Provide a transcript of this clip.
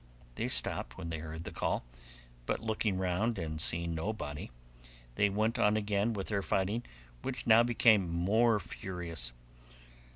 They stopped when they heard the call, but looking round and seeing nobody, they went on again with their fighting, which now became more furious.